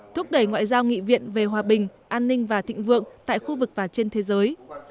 thúc đẩy ngoại giao nghị viện về hòa bình an ninh và thịnh vượng tại khu vực và trên thế giới